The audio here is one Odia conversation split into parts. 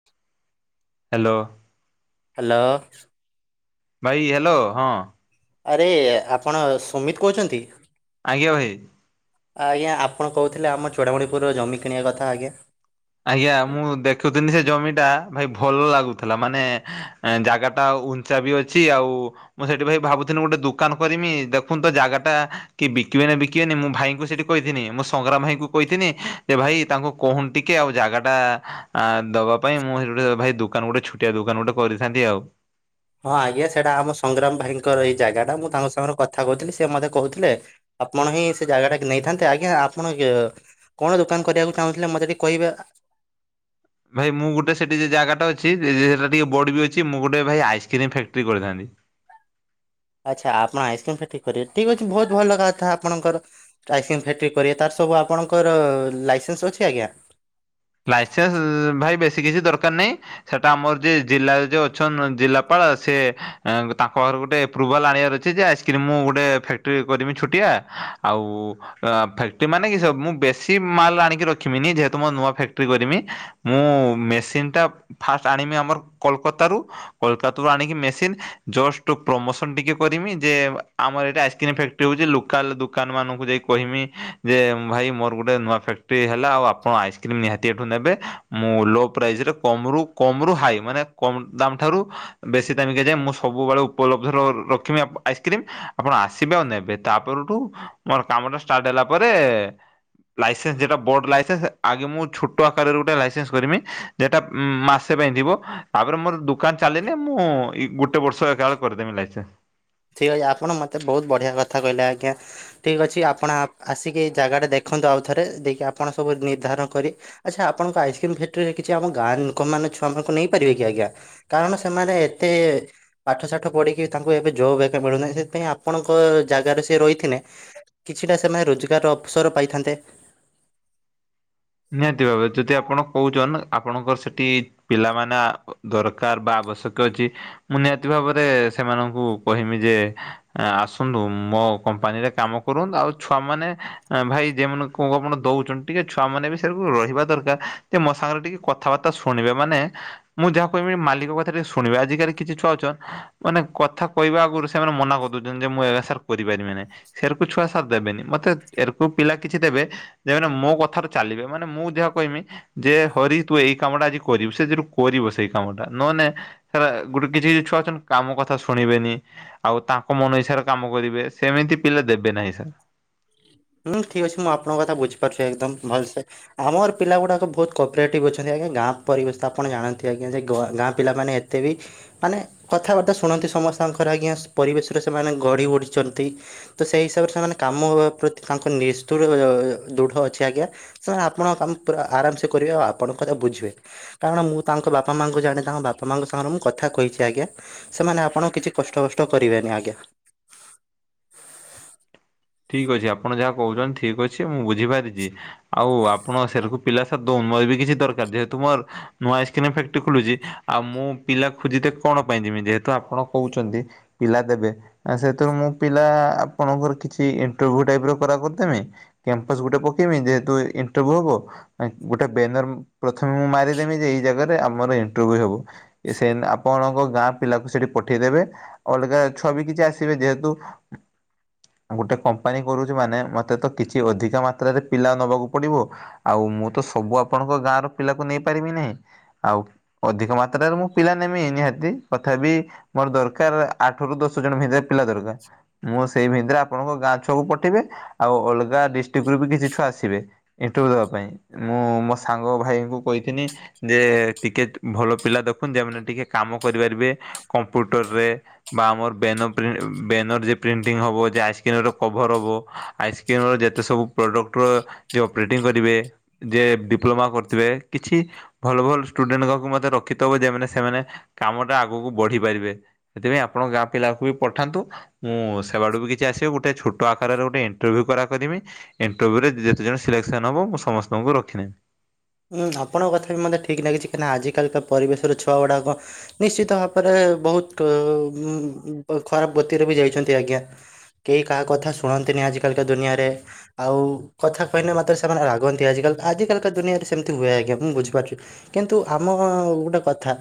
[unintelligible] ହ୍ୟାଲୋ। ହ୍ୟାଲୋ। ଭାଇ ହ୍ୟାଲୋ ହଁ। ଆରେ ଆପଣ ସୁମିତ କହୁଛନ୍ତି। ଆଜ୍ଞା ଭାଇ। ଆଜ୍ଞା ଆପଣ କହୁଥିଲେ ଆମ ଚୋଡ଼ାମଣିପୁରର ଜମି କିଣିବା କଥା ଆଜ୍ଞା। ଆଜ୍ଞା ମୁଁ ଦେଖୁଥିଲି ସେ ଜମି ଟା ଭାଇ ଭଲ ଲାଗୁଥିଲା ମାନେ ଏ ଜାଗାଟା ଉଞ୍ଚା ବି ଅଛି ଆଉ ମୁଁ ସେଇଠି ଭାଇ ଭାବୁଥିଲି ଗୋଟେ ଦୁକାନ କରିମି ଦେଖନ୍ତ ତ ଜାଗା ଟା କିଏ ବିକିବେ ନା ବିକିବେନି ମୁଁ ଭାଇଙ୍କୁ ସେଠି କହିିଥିନୀ ମୁଁ ସଂଗ୍ରାମ ଭାଇଙ୍କୁ କହିଥିଲି ଯେ ଭାଇ ତାଙ୍କୁ କହୁନୁ ଟିକେ ଟେ ଆଉ ଜାଗା ଟା ଆ-ଦବା ପାଇଁ ମୁଁ [unintelligible] ଭାଇ ଦୋକାନ ଗୋଟେ ଛୋଟିଆ ଦୋକାନ ଗୋଟେ କରିଥାନ୍ତି ଆଉ। ହଁ ଆଜ୍ଞା ସେଟା ଆମ ସଂଗ୍ରାମ ଭାଇଙ୍କର ଏଇ ଜାଗାଟା ମୁଁ ତାଙ୍କ ସାଙ୍ଗରେ କଥା କହୁଥିଲି ସିଏ ମତେ କହୁଥିଲେ ଆପଣ ହିଁ ସେ ଜାଗାଟାକ ନେଇଥାନ୍ତେ ଆଜ୍ଞା ଆପଣ ହିଏ କଣ ଦୋକାନ କରିବାକୁ ଚାହୁଁଥିଲେ ମୋତେ ଟିକି କହିବା। ଭାଇ ମୁଁ ଗୋଟେ ସେଠି ଜାଗଟା ଅଛି ସେଟା ଟିକେ ବଡ ବି ଅଛି ମୁଁ ଗୋଟେ ଭାଇ ଆଇକ୍ରିମ ଫ୍ୟାକ୍ଟ୍ରି କରିଥାନ୍ତି। ଆଚ୍ଛା ଆପଣ ଆଇସ୍କ୍ରିମ୍ ଫ୍ୟାକ୍ଟ୍ରି କରିବେ ଠିକ୍ ଅଛି ବହୁତ୍ ଭଲ କଥା ଆପଣଙ୍କର। ଆଇସକ୍ରିମ୍ ଫ୍ୟାକ୍ଟ୍ରି କରିବା ତା ତାର ସବୁ ଆପଣଙ୍କର ଲାଇସେନ୍ସ ଅଛି ଆଜ୍ଞା? ଲାଇସେନ୍ସ୍ ଭାଇ ବେଶୀ କିଛି ଦରକାର୍ ନାହିଁ। ସେଟା ଆମର ଯିଏ ଜିଲ୍ଲାରେ ଯଉ ଅଛନ୍ ଜିଲ୍ଲାପାଳ ସେ ତାଙ୍କର ଗୋଟେ ଆପ୍ରୁଭାଲ୍ ଆଣିବାର ଅଛି ଯେ ଆଇସ୍କ୍ରିମ୍ ମୁଁ ଗୋଟେ ଫ୍ୟାକ୍ଟ୍ରି କରିବି ଛୋଟିଆ ଆଉ ଅ- ଫ୍ୟାକ୍ଟ୍ରି ମାନେ କି ସ-ମୁଁ ବେଶୀ ମାଲ୍ ଆଣିକି ରଖିବିନି ଯେହେତୁ ମୋ ନୂଆ ଫ୍ୟାକ୍ଟ୍ ରି କରିମି ମୁଁ ମେସିନ୍ ଟା ଫାଷ୍ଟ୍ ଆଣିବି ଆମର କୋଲକାତାରୁ କୋଲକତାରୁ ଆଣିକି ମେସିନ୍ ଜଷ୍ଟ୍ ପ୍ରମୋସନ ଟିକେ କରିମି ଯେ ଆମର ଏଟେ ଆଇସକ୍ରିମ୍ ଫ୍ୟା [unintelligible] ଲୋକାଲ୍ ଦୋକାନ୍ ମାନଙ୍କୁ ଯାଇ କହମି ଯେ ଭାଇ ମୋର ଗୋଟେ ନୂଆ ଫ୍ୟାକ୍ଟ୍ କ୍ଟି ହେଲା ଆଉ ଆପଣ ଆଇସକ୍ରିମ୍ ନିହାତି [unintelligible] ନେବେ ମୁଁ ଲୋ ପ୍ରାଇଜ୍ ରେ କମ୍ ରୁ କମ୍ ରୁ ହାଇ ମାନେ କମ୍ ଦାମ୍ ଠାରୁ ବେଶୀ ଦାମିକା ଯାଏ ମୁଁ ସବୁବେଳେ ଉପଲବ୍ଧ ର-ରଖମି ଆଇସକ୍ରିମ। ଆପଣ ଆସିବେ ଆଉ ନେବେ ତାପରଠୁ ମୋର କାମ ଟା ଷ୍ଟାର୍ଟ ହେଲା ପରେ ଲାଇସେନ୍ସ ଯେଟା ବୋର୍ଡ ଲାଇସେନ୍ସ ଆଗେ ମୁଁ ଛୁ ଛୋଟ ଆକାରରେ ଗୋଟେ ଲାଇସେନ୍ସ କରିବି ସେ ଏଟା ମାସେ ପାଇଁ ଥିବ ତାପରେ ମର ଦୁ ଦୁକାନ୍ ଚାଲିଲେ ମୁଁ ଇ-ଗୋଟେ ବର୍ଷ ଏକାବେଳେ କରିଦେମି ଲାଇସେନ୍ସ। ଠିକ୍ ଅଛି ଆପଣ ମତେ ବହୁତ ବଢିଆ କଥା କହିଲେ ଆଜ୍ଞା। ଠିକ୍ ଅଛି ଆପଣ ଆ- ଆସିକି ଜାଗା ଟା ଦେଖନ୍ତୁ ଆଉ ଥରେ ଦେଇକି ଆପଣ ସବୁ ନିର୍ଦ୍ଧାରଣ କରି ଆଚ୍ଛା ଆପଣଙ୍କ ଆଇସକ୍ରିମ୍ ଫ୍ୟାକ୍ଟ୍ରି ରେ କିଛି ଆମ ଗାଁ ଲୋକମାନେ ଛୁଆମାନଙ୍କୁ ନେଇପାରିବେ କି ଆଜ୍ଞା? କାରଣ ସେମାନେ ଏତେ ପାଠ ଶାଠ ପଢିକି ତାଙ୍କୁ ଏବେ ଯଉ ବେ [unintelligible] ମିଳୁନାହିଁ ସେଥିପାଇଁ ଆପଣଙ୍କ ଜାଗାରେ ସିଏ ରହିଥିଲେ କିଛିଟା ସେମାନେ ରୋଜଗାର୍ ଅପ୍ସର ପାଇଥାନ୍ତେ। ନିହାତି ଭାବେ ଯଦି ଆପଣ କହୁଛନ ଆପଣଙ୍କ ସେଠି ପିଲାମାନେ ଆ-ଅ- ଦରକାର୍ ବା ଆବଶ୍ୟକ ଅଛି ମୁଁ ନିହାତି ଭାବରେ ସେମାନଙ୍କୁ କହିମି ଯେ ଆସନ୍ତୁ ମୋ କମ୍ପାନୀରେ କାମ କରନ୍ତୁ ଆଉ ଛୁଆମାନେ ଭାଇ ଯେମାନେ କ ଆପଣ ଦଉଚନ୍ତି ଟିକେ ଛୁଆ ମାନେ ବି ସେକୁ ରହିବା ଦରକାର୍ ଯେ ମୋ ସାଙ୍ଗରେ ଟିକେ କଥାବାର୍ତ୍ତା ଶୁଣିବେ ମାନେ ମୁଁ ଯାହା କହମି ମାଲିକ କଥା ଟିକେ ଶୁଣିବି ଆଜିକାଲି କିଛି ଛୁଆ ଅଛ ମାନେ କଥା କହିବା ଆଗରୁ ସେମାନେ ମନା କରିଦଉଚନ୍ତି ଯେ ମୁଁ ଏଇରା ସାର୍ କରିପାରିବିନି। ସେରକୁ ଛୁଆ ସାର୍ ଦେବେନି ମତେ ଏରକୁ ପିଲା କିଛି ଦେବେ ଯେମାନେ ମୋ କଥାରେ ଚାଲିବେ। ମାନେ ମୁଁ ଯାହା କହିମି ଯେ ହରି ତୁ ଏଇ କାମ ଟା ଆଜି କରିବୁ ସେ ଯୁ କରିବ ସେଇ କାମ ଟା ନହେନେ ସେଟା ଗୋଟେ କିଛି ଛୁଆ ଅଛନ୍ତି କାମ କଥା ଶୁଣିବେନି। ଆଉ ତାଙ୍କ ମନ ଇଚ୍ଛାରେ କାମ କରିବେ ସେମିତି ପିଲା ଦେବେ ନାହିଁ ସାର୍। ହୁଁ ଠିକ୍ ଅଛି ମୁଁ ଆପଣଙ୍କ କଥା ବୁଝିପାରୁଚି ଏକଦମ୍ ଭଲ୍ ସେ। ଆମର ପିଲା ଗୁଡାକ ବହୁତ୍ କପରେଟିଭ୍ ଅଛନ୍ତି ଆଜ୍ଞା ଗାଁ ପରିବେଶ ଆପଣ ଜାଣନ୍ତି ଆଜ୍ଞା ଯେ ଗ-ଗାଁ ପିଲା ମାନେ ଏ ତେ ବି ମାନେ କଥାବାର୍ତ୍ତା ଶୁଣନ୍ତି ସମସ୍ତଙ୍କର ଆଜ୍ଞା ପରିବେଶ ରେ ସେମାନେ ଗଢି ଉଠିଛନ୍ତି। ତ ସେଇ ହିସାବରେ ସେମାନେ କାମ ପ୍ରତି ତାଙ୍କ ନିସ୍ତୁର ଅ- ଦୃଢ ଅଛି ଆଜ୍ଞା। ସେମାନେ ଆପଣଙ୍କ କାମ ପୁରା ଆରାମ୍ ସେ କରିବେ ଆଉ ଆପଣଙ୍କ କଥା ବୁଝିବେ। କାରଣ ମୁଁ ତାଙ୍କ ବାପା ମାଙ୍କୁ ଜାଣେ ତାଙ୍କ ବାପା ମାଙ୍କ ସାଙ୍ଗରେ ମୁଁ କଥା କହିଚି ଆଜ୍ଞା। ସେମାନେ ଆପଣଙ୍କୁ କିଛି କଷ୍ଟ ବଷ୍ଟ କରିବେନି ଆଜ୍ଞା। ଠିକ୍ ଅଛି ଆପଣ ଯାହା କହୁଚନ୍ତି ଠିକ୍ ଅଛି ମୁଁ ବୁଝିପାରିଚି। ଆଉ ଆପଣ ସେରକୁ ପିଲା [unintelligible] ଦଉନ [unintelligible] କିଛି ଦରକାର୍ ଯେହେତୁ ମୋର୍ ନୂଆ ଆଇସକ୍ରିମ୍ ଫ୍ୟାକ୍ଟ୍ରୀ ଖୋଲୁଚି ଆଉ ମୁଁ ପିଲା ଖୋଜିିତେ କଣ ପାଇଁ ଯିବି ଯେହେତୁ ଆପଣ କହୁଚନ୍ତି ପିଲା ଦେବେ ସେଥିରୁ ମୁଁ ପିଲା ଆପଣଙ୍କର କିଛି କି ଇଣ୍ଟରଭ୍ୟୁ ଟାଇପ ର କରା କରିଦେମି। କ୍ୟାମ୍ପସ ଗୋଟେ ପକେଇମି ଯେହେତୁ ଇଣ୍ଟରଭ୍ୟୁ ହବ ଗୋଟେ ବ୍ୟାନର ପ୍ରଥମେ ମୁଁ ମାରିଦେମି ଯେ ଏଇ ଜାଗାରେ ଆମର ଇଣ୍ଟରଭ୍ୟୁ ହବ ସେ ଆପଣଙ୍କ ଗାଁ ପିଲାକୁ ସେଠି ପଠେଇଦେବେ ଅଲଗା ଛୁଆ ବି କିଛି ଆସିବେ ଯେହେତୁ ଗୋଟେ କମ୍ପାନୀ କରୁଛି ମାନେ ମୋତେ ତ କିଛି ଅଧିକା ମାତ୍ରାରେ ପିଲା ନେବାକୁ ପଡ଼ିବ ଆଉ ମୁଁ ତ ସବୁ ଆପଣଙ୍କ ଗାଁ ର ପିଲାକୁ ନେଇପାରିବି ନାହିଁ ଆଉ ଅଧିକ ମାତ୍ର ଯାତ୍ରାରେ ମୁଁ ପିଲା ନେମି ନିହାତି ତଥାପି ମୋର ଦରକାର ଆଠରୁ ଦଶ ଜଣ ଭିତରେ ପିଲା ଦରକାର ମୁଁ ସେଇ ଭିତରେ ଆପ ଆପଣଙ୍କ ଗାଁ ଛୁଆକୁ ପଠେଇବେ ଆଉ ଅଲଗା ଡିଷ୍ଟ୍ରିକରୁ ବି କିଛି ଛୁଆ ଆସିବେ। ଇଣ୍ଟରଭି୍ୟୁ ଦେବା ପାଇଁ। ମୁଁ ମୋ ସାଙ୍ଗ ଭାଇଙ୍କୁ କହିଥିଲି ଯେ ଟିକେ ଭଲ ପିଲା ଦେଖୁନ୍ତ ଯେମାନେ ଟିକେ କାମ କରିପାରିବେ। କମ୍ପ୍ୟୁଟରରେ ବା ଆମର ବାନ ପ୍ରି ବ୍ୟାନର ଯେ ପ୍ରିଣ୍ଟିଂ ହବ ଯେ ଆସ କେନ୍ ଗୋଟେ କଭର ହବ। ଆଇସ୍କ୍ରିମର ଯେତେ ସବୁ ପ୍ରଡକ୍ଟର ଯେ ଅପରେଟିଂ କରିବେ। ଯେ ଡିପ୍ଲୋମା କରିଥିବେ କିଛି ଭଲ ଭଲ ଷ୍ଟୁଡେଣ୍ଟ ମାନକୁ ମଧ୍ୟ ରଖିିଥବ ଯେମାନେ ସେମାନେ କାମ ଟା ଆଗକୁ ବଢି ପାରିବେ। ସେଥିପାଇଁ ଆପଣଙ୍କ ଗାଁ ପିଲାକୁ ବି ପଠାନ୍ତୁ ମୁଁ ସେବାଡୁ ବି କିଛି ଯେ ଆସିବେ ଗୋଟେ ଛୋଟ ଆକାରରେ ଗୋଟେ ଇଣ୍ଟରଭିୟୁ କରା କରିମି ଇଣ୍ଟରଭ୍ୟୁ ରେ ଯେତେ ଜଣ ସିଲେକ୍ସନ ହେବ ମୁଁ ସମସ୍ତଙ୍କୁ ରଖିିନେବି। ଉଁ ଆପଣଙ୍କ କଥା ବି ମୋତେ ଠିକ ଲାଗିଛି। କାହିଁକିନା ଆଜିକାଲିକା ପରିବେଶରେ ଛୁଆ ଗୁଡ଼ାକ ନିଶ୍ଚିତ ଭାବରେ ବହୁତ ଖରାପ ଗତିରେ ବି ଯାଇଛନ୍ତି ଆଜ୍ଞା। କେହି କାହା କଥା ଶୁଣନ୍ତିନି ଆଜିକାଲିିକା ଦୁନିଆରେ। ଆଉ କଥା କହିଲେ ମାତ୍ରେ ସେମାନେ ରାଗନ୍ତି ଆଜିକାଲି ଆଜିକାଲିକା ଦୁନିଆରେ। ସେମତି ହୁଏ ଆଜ୍ଞା ମୁଁ ବୁଝିପାରୁଛି କିନ୍ତୁ ଆମ ଗୋଟେ କଥା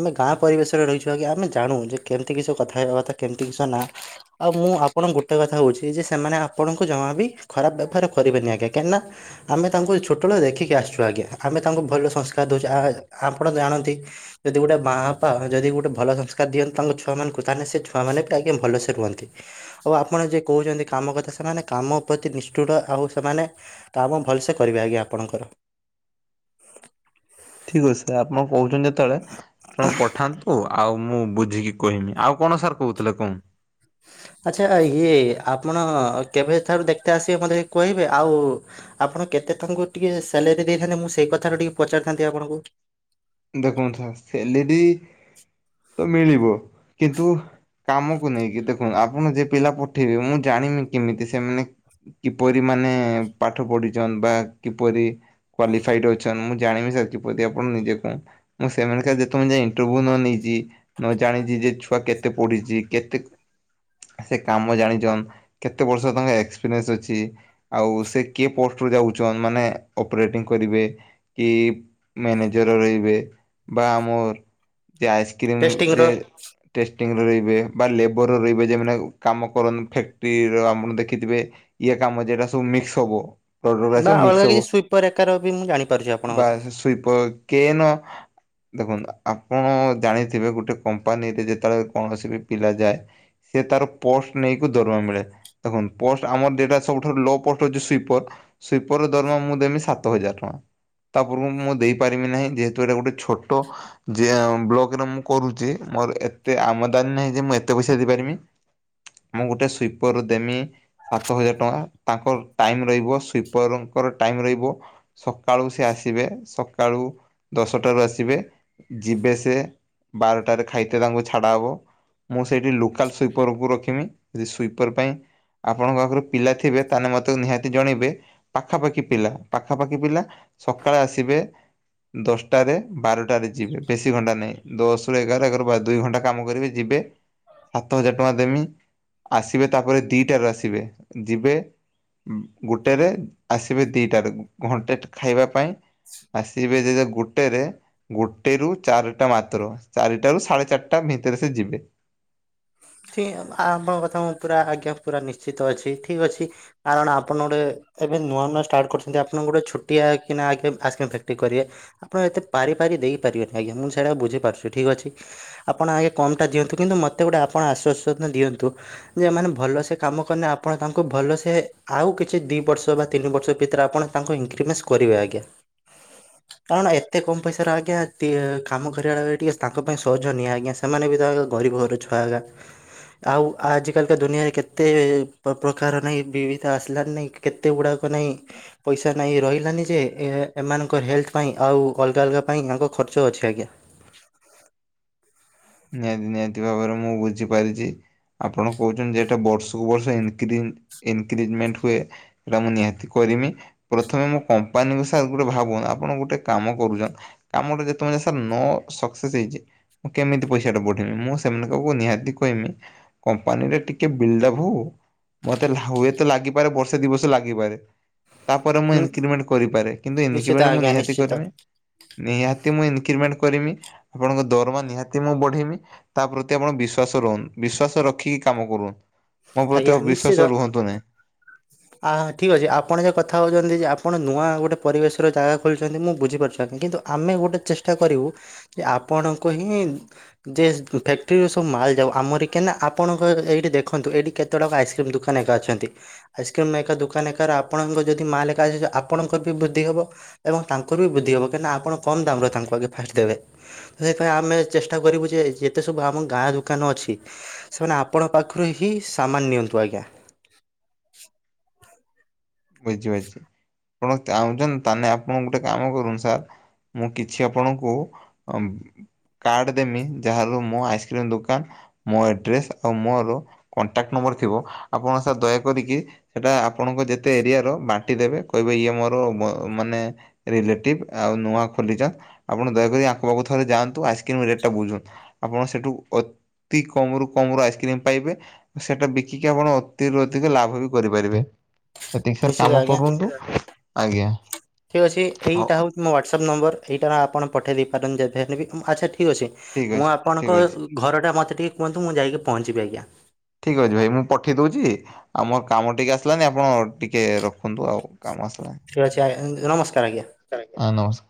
ଆମେ ଗାଁ ପରିବେଶରେ ରହିଛୁ ଆମେ ଜାଣୁ ଯେ କେମିତି କିଛି କଥା ହେବା କଥା କେମିତି କିଛି ନା ଆଉ ମୁଁ ଆପଣଙ୍କୁ ଗୋଟେ କଥା କହୁଛି ଯେ ସେମାନେ ଆପଣଙ୍କୁ ଜମା ବି ଖରାପ ବ୍ୟବହାର କରିବେନି ଆଜ୍ଞା କାହିଁକିନା ଆମେ ତାଙ୍କୁ ଛୋଟବେଳୁ ଦେଖିକି ଆସୁଛୁ। ଛୁ ଆଜ୍ଞା ଆମେ ତାଙ୍କୁ ଭଲ ସଂସ୍କାର ଦେଉଛୁ ଆପଣ ଜାଣନ୍ତି ଯଦି ଗୋଟେ ମା ବାପା ଯଦି ଗୋଟେ ଭଲ ସଂସ୍କାର ଦିଅନ୍ତି ତାଙ୍କ ଛୁଆ ମାନଙ୍କୁ ତାହେଲେ ସେ ଛୁଆ ମାନ ବି ଆଜ୍ଞା ଭଲସେ ରୁହନ୍ତି। ଆଉ ଆପଣ ଯୋଉ କହୁଛନ୍ତି କାମ କଥା ସେମାନେ କାମ ପ୍ରତି ନିଷ୍ଠୁର ଆଉ ସେମାନେ ତ ଆ ଭଲସେ କରିବି ଆଜ୍ଞା ଆପଣଙ୍କର। ଠିକ୍ ଅଛି ଆପଣ କହୁଛନ୍ତି ଯେତେବେଳେ ଆପଣ ପଠାନ୍ତୁ ଆ ଆଉ ମୁଁ ବୁଝିକି କହିମି। ଆଉ କଣ ସାର୍ କହୁଥିଲେ କୁହନ୍ତୁ? ଆଚ୍ଛା ଇଏ ଆପଣ କେବେଠାରୁ ଦେଖିତେ ଆସିବେ ମତେ କହିବେ। ଆଉ ଆପଣ କେତେ ତାଙ୍କୁ ଟିକେ ସାଲେରୀ ଦେଇଥାନ୍ତେ ମୁଁ ସେଇ କଥାରେ ଟିକେ ପଚାରିଥାନ୍ତି ଆପଣଙ୍କୁ? ଦେଖନ୍ତୁ ସାର୍ ସାଲେରୀ ତ ମିଳିବ କିନ୍ତୁ କାମକୁ ନେଇକି ଦେଖନ୍ତୁ ଆପଣ ଯେ ପିଲା ପଠେଇବେ ମୁଁ ଜାଣିବି କେମିତି ସେମାନେ କିପରି ମାନେ ପାଠ ପଢିଛନ୍ ବା କିପରି କ୍ୱାଲିଫାଇଡ଼୍ ଅଛନ୍ତି ମୁଁ ଜାଣିନି ସାର କିପରି ଆପଣ ନିଜେ କୁ ମୁଁ ସେମାନକା ଯେତେବେଳେ ଯାଏ ଇଣ୍ଟରଭ୍ୟୁ ନ ନେଇଛି ନ ଜାଣିଛି ଯେ ଛୁଆ କେତେ ପଢିଚି କେତେ ସେ କାମ ଜାଣିଛନ୍ କେତେ ବର୍ଷ ତାଙ୍କ ଏକ୍ସପିରିଏନ୍ସ ଅଛି ଆଉ ସେ କିଏ ପୋଷ୍ଟରୁୁ ଯାଉଛନ୍ ମାନେ ଅପରେଟିଂ କରିବେ। କି ମ୍ୟାନେଜର ରହିବେ। ବା ଆମର ଯେ ଆଇସକ୍ରିମ ଟେଷ୍ଟିଂର ଯେ ଟେଷ୍ଟିଂରେ ରହିବେ ବା ଲେବର ରହିବେ ଯେ ମାନେ କାମ କରନ୍ତୁ ଫ୍ୟାକ୍ଟ୍ରିର ଆପଣ ଦେଖିଥିବେ ଇଏ କାମ ଯେରା ସବୁ ମିକ୍ସ ହବ। ପାଉଡର ବା ଆସିବ ମିକ୍ସ ଅଲଗା ହବ। କିଛି ସୁଇପର ଏକାର ବି ମୁଁ ଜାଣିପାରୁଛି ଆପଣଙ୍କ ବା କଥା। ସେ ସ୍ଵିପର କେନ ଦେଖନ୍ତୁ ଆପଣ ଜାଣିଥିବେ ଗୋଟେ କମ୍ପାନୀରେ ଯେତେବେଳେ କୌଣସି ବି ପିଲା ଯାଏ। ସେ ତାର ପୋଷ୍ଟ ନେଇକି ଦରମା ମିଳେ। ଦେଖନ୍ତୁ ପୋଷ୍ଟ ଆମର ଦିଟା ସବୁଠାରୁ ଲୋ ପୋଷ୍ଟ ହୋଉଛି ସ୍ୱିପର। ସିପର ଦରମା ମୁଁ ଦେମି ସାତ ହଜାର ଟଙ୍କା ତା ପୂର୍ବରୁ ମୁଁ ଦେଇ ପାରିବି ନାହିଁ ଦି ତରେ ଗୋଟେ ଛୋଟ ଯିଏ ଆମ୍ ବ୍ଲକରେ ମୁଁ କରୁଚି ମୋର ଏତେ ଆମଦାନୀ ନାହିଁ ଯେ ମୁଁ ଏତେ ପଇସା ଦେଇ ପାରିମି ମୁଁ ଗୋଟେ ସୁଇପର ଦେମି ସାତ ହଜାର ଟଙ୍କା ତାଙ୍କର ଟାଇମ ରହିବ ସୁପରଙ୍କର ଟାଇମ ରହିବ ସକାଳୁ ସେ ଆସିବେ ସକାଳୁ ଦଶଟାରୁ ଆସିବେ ଯିବେ ସେ ବାରଟାରେ ଖାଇତେ ତାଙ୍କୁ ଛାଡ଼ା ହବ ମୁଁ ସେଇଠି ଲୋକାଲ ସୁଇପରକୁ ରଖମି ଯେ ସୁଇପର ପାଇଁ ଆପଣଙ୍କ ପାଖରୁ ପିଲା ଥିବେ ତାହେନେ ମୋତେ ନିହାତି ଜଣେଇବେ। ପାଖାପାଖି ପିଲା ପାଖାପାଖି ପିଲା ସକାଳେ ଆସିବେ। ଦଶଟାରେ ବାରଟାରେ ଯିବେ ବେଶୀ ଘଣ୍ଟା ନାହିଁ ଦଶରୁ ଏଗାର ରୁ ବାର ଦୁଇ ଘଣ୍ଟା କାମ କରିବେ ଯିବେ ସାତ ହଜାର ଟଙ୍କା ଦେମି ଆସିବେ ତାପରେ ଦିଟାରୁ ଆସିବେ ଯିବେ ଗୋଟେରେ ଆସିବେ ଦିଇଟାରକୁ ଘଣ୍ଟେ ଖାଇବା ପାଇଁ ଆସିବ [unintelligible] ଗୋଟେରେ ଗୋଟେ ରୁ ଚାରିଟା ମାତ୍ର ଚାରିଟା ରୁ ସାଢେ ଚାରିଟା ଭିତରେ ସେ ଯିବେ। [unintelligible] ଆପଣଙ୍କ କଥା ମୁଁ ପୁରା ଆଜ୍ଞା ପୁରା ନିଶ୍ଚିତ ଅଛି ଠିକ୍ ଅଛି କାରଣ ଆପଣ ଗୋଟେ ଏବେ ନୂଆ ନୂଆ ଷ୍ଟାର୍ଟ କରୁଛନ୍ତି ଆପଣଙ୍କୁ ଗୋଟେ ଛୋଟିଆ କି ନା ଆଗେ ଆସ୍କ୍ରିମ ଫେକ୍ଟ୍ରି କରିବେ ଆପଣ ଏତେ ପାରି ପାରି ଦେଇପାରିବେନି ଆଜ୍ଞା ମୁଁ ସେଇଟାକୁ ବଝି ପାରୁଚି ଠିକ୍ ଅଛି। ଆପଣ ଆଗେ କମ୍ଟା ଦିଅନ୍ତୁ କିନ୍ତୁ ମୋତେ ଗୋଟେ ଆପଣ ଆଶ୍ଵସନା ଦିଅନ୍ତୁ ଯେ ଏମାନେ ଭଲସେ କାମ କନେ ଆପଣ ତାଙ୍କୁ ଭଲସେ ଆଉ କିଛି ଦି ବର୍ଷ ବା ତିନି ବର୍ଷ ଭିତେରେ ଆପଣ ତାଙ୍କୁ ଇନ୍‌କ୍ରିମେସ କରିବେ ଆଜ୍ଞା। କାରଣ ଏତେ କମ ପଇସାରେ ଆଜ୍ଞା ତି କାମ କରିବା ଟିକେ ତାଙ୍କ ପାଇଁ ସହଜ ନିଏ ଆଜ୍ଞା ସେମାନେ ବି ତାଙ୍କର ଗରିବ ଘର ଛୁଆ ଉରା। ଆଉ ଆଜିକାଲିକତ ଦୁନିଆରେ କେତେ ପ୍ର ପ୍ରଖାର ନାଇଁ ବିବିଧ ଆସିଲାନା ନାହିଁ କେତେ ଗୁଡ଼ାକ ନାଇଁ। ପଇସା ନାହିଁ ରହିଲାନି ଯେ ଏ ଏମାନଙ୍କର ହେଲ୍ଥ ପାଇଁ ଆଉ ଅଲଗା ଅଲଗା ପାଇଁ ଆଙ୍କ ଖର୍ଚ୍ଚ ଅଛି ଆଜ୍ଞା। ନିହାତି ନିହାତି ଭାବରେ ମୁଁ ବୁଝିପାରିଚି। ଆପଣ କହୁଛନ୍ତି ଯେଟା ବର୍ଷକୁ ବର୍ଷ ଇନକ୍ରି ଇନକ୍ରିଜମେଣ୍ଟ ହୁଏ। ଏରା ମୁଁ ନିହାତି କରିମି। ପ୍ରଥମେ ମୋ କମ୍ପାନୀଙ୍କ ସା ଗୋଟେ ଭାବୁନ ଆପଣ ଗୋଟେ କାମ କରୁଚନ୍ କାମଟେ ଯେତବଳ ଯାଏ ସାର୍ ନ ସକ୍ସେସ୍ ହେଇଚି କେମି ଟେ ପଇସା ଟା ବଢିମି ମୁଁ ସେମାନଙ୍କଙ୍କୁ ନିହାତି କହିମି କମ୍ପାନିରେ ଟିକେ ବିଲ୍‌ଡ଼ା ହଉ ମତେ ଲା ହୁଏତ ଲାଗିପାରେ ବର୍ଷେ ଦିବସ ଲାଗିପାରେ। ତାପରେ ମୁଁ ହୁଁ ଇନକ୍ରିମେଣ୍ଟ କରିପାରେ କିନ୍ତୁ ଇନିକି ନିଶ୍ଚିତ ମେଣ୍ଟ ମୁଁ ଆଜ୍ଞା ନିହାତି ନିଶ୍ଚିତ କରିମି। ନିହାତି ମୁଁ ଇନକ୍ରିମେଣ୍ଟ କରିମି ଆପଣଙ୍କ ଦରମା ନିହାତି ମୁଁ ବଢେଇମି ତା ପ୍ରତି ଆପଣ ବିଶ୍ଵାସ ରଉନ୍ ‌ବିଶ୍ଵାସ ରଖିକି କାମ କରୁ ଅନ୍ ଆଜ୍ଞା ନିଶ୍ଚିିତ। ଆ ଠିକ ଅଛି ଆପଣ ଯଉ କଥା ହଉଚନ୍ତି ଯେ ଆପଣ ନୂଆ ଗୋଟେ ପରିବେଶରେ ଜାଗା ଖୋଲିଚନ୍ତି ମୁଁ ବୁଝିପାରୁଚି ଆଜ୍ଞା କିନ୍ତୁ ଆମେ ଗୋଟେ ଚେଷ୍ଟା କରିବୁ ଯେ ଆପଣଙ୍କୁ ହିଁ ଯେ ଫ୍ୟାକ୍ଟ୍ରିରୁ ସବୁ ମାଲ୍ ଯାଉ ଆମର କେନା ଆପଣଙ୍କର ଏଇଠି ଦେଖନ୍ତୁ ଏଇଠି କେତେଟକା ଆଇସ୍କ୍ରିମ୍ ଦୋକାନ ଏକା ଅଛନ୍ତି। ଆଇସ୍କ୍ରିମ୍ ଏକା ଦୋକାନ ଏକାର ଆପଣଙ୍କ ଯଦି ମାଲ ଏକା [unintelligible] ଆପଣଙ୍କର ବି ବୃଦ୍ଧି ହବ। ଏବଂ ତାଙ୍କର ବି ବୃଦ୍ଧି ହବ କାଇଁନା ଆପଣ କମ ଦାମରେ ତାଙ୍କୁ ଆଗେ ଫାଷ୍ଟ ଦେବେ। [unintelligible] ଆମେ ଚେଷ୍ଟା କରିବୁ ଯେ ଯେତେ ସବୁ ଆମ ଗାଁ ଦୋକାନ ଅଛି ସେମାନେ ଆପଣଙ୍କ ପାଖରୁ ହିଁ ସାମାନ ନିଅନ୍ତୁ ଆଜ୍ଞା। [unintelligible] ଆପଣ ଚାହୁଁଛନ୍ତି ତାେନେ ଆପଣ ଗୁଟେ କାମ କରୁନୁ ସାର୍ ମୁଁ କିଛି ଆପଣଙ୍କୁ ଅମ୍ କାର୍ଡ ଦେମି ଯାହାର ମୋ ଆଇସ୍କ୍ରି ଦୋକାନ ମୋ ଆଡ୍ରେସ ଆଉ ମୋର କଣ୍ଟାକ୍ଟ ନମ୍ବର ଥିବ ଆପଣ ସାର୍ ଦୟା କରିକି ସେଟା ଆପଣଙ୍କ ଯେ ତେ ଏରିଆର ମାଣ୍ଟି ଦେବେ କହିବେ ଇଏ ମୋର ମୋ ମାନେ ରିଲେଟିଭ୍ ଆଉ ନୂଆ ଖୋଲିଚନ୍ ଆପଣ ଦୟାକରି ଆଙ୍କ ପାଖକୁ ଥରେ ଯାଆନ୍ତୁ ଆଇସ୍‌କ୍ରିମ୍ ରେଟ୍ ଟା ଥରେ ବୁଝ ଆପଣ ସେଠୁ ଅତି କମ ରୁ କମ ରୁ ଆଇସ୍କ୍ରିମ ପାଇବେ। ସେଟା ବିକିକି ଆପଣ ଅତିରୁ ଅଧିକ ଲାଭ ବି କରିପାରିବେ। ଏତିକି ସାର୍ ନିଶ୍ଚିତ କାମ ଆଜ୍ଞା କରନ୍ତୁ ଆଜ୍ଞା ଠିକ ଅଛି ଏଇଟା ହଉ ମୋ ହ୍ୱାଟ୍ସପ ନମ୍ବର ଏଇଟା ଆପଣ ପଠାଇ ଦେଇ ପାରୁନ୍ତି ଯେ ଦେବେ ବି ଆଚ୍ଛା ଠିକ୍ ଅଛି। ଠିକ୍ ମୁଁ ଅଛି ଠିକ୍ ଆପଣଙ୍କ ଅଛି। ଘର ଟା ମତେ ଟିକେ କୁହନ୍ତୁ ମୁଁ ଯାଇକି ପହଞ୍ଚିବି ଆଜ୍ଞା। ଠିକ ଅଛି ଭାଇ ମୁଁ ପଠେଇ ଦଉଛି ଆଉ ମୋର କାମ ଟିକେ ଆସିଲାନି ଆପଣ ଟିକେ ରଖନ୍ତୁ ଆଉ କାମ ଆସିଲା ଠିକ୍ ଅଛି ଆ ନମସ୍କାର ଆଜ୍ଞା। ହଁ ନମସ୍କା